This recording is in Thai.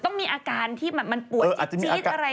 ต้องมีอาการที่มันปวดจิ๊ดอะไรในนี้ด้วย